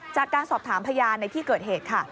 จากการสอบถามพยานในที่เกิดเหตุค่ะ